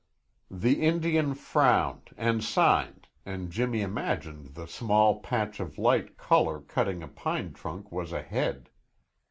The Indian frowned and signed, and Jimmy imagined the small patch of light color cutting a pine trunk was a head.